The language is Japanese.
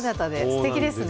すてきですね。